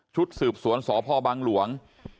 สืบสวนสพบังหลวง